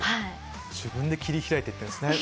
自分で切り開いてるんですね